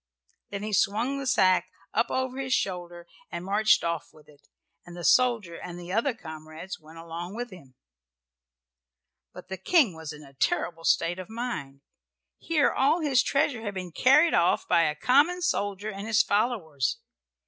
Then he swung the sack up over his shoulder and marched off with it, and the soldier and the other comrades went along with him. But the King was in a terrible state of mind. Here all his treasure had been carried off by a common soldier and his followers.